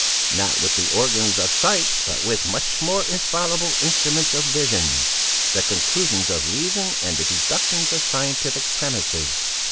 "Not with the organs of sight; but with much more infallible instruments of vision: the conclusions of reason, and the deductions of scientific premises.